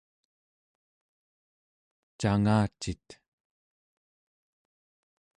cangacit?